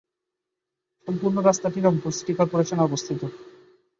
সম্পূর্ণ রাস্তাটি Rangpur city corporation এ অবস্থিত।